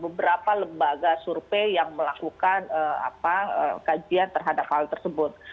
beberapa lembaga survei yang melakukan kajian terhadap hal tersebut